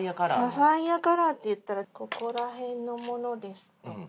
サファイアカラーっていったらここら辺のものですとか。